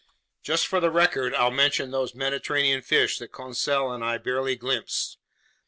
Just for the record, I'll mention those Mediterranean fish that Conseil and I barely glimpsed.